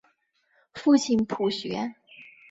父亲浦璇。